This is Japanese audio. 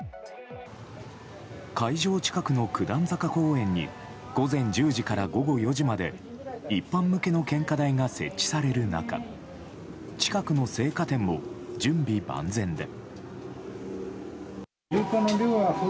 会場近くの九段坂公園に午前１０時から午後４時まで一般向けの献花台が設置される中近くの生花店も準備万全で。